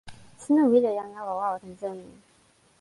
sina wile jan lawa wawa tan seme?